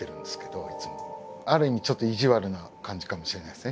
ある意味ちょっと意地悪な感じかもしれないですね